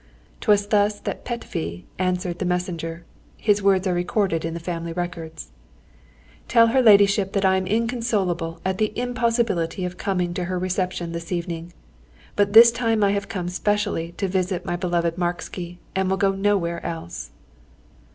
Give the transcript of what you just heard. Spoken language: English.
'Twas thus that Petöfi answered the messenger his words are recorded in the family records: "Tell her ladyship that I am inconsolable at the impossibility of coming to her reception this evening; but this time I have come specially to visit my beloved Marksi, and will go nowhere else."